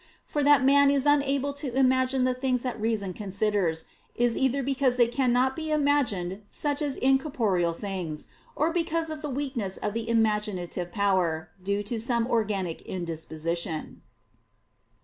For that man is unable to imagine the things that reason considers, is either because they cannot be imagined, such as incorporeal things; or because of the weakness of the imaginative power, due to some organic indisposition.